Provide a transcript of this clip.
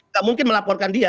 gak mungkin melaporkan dia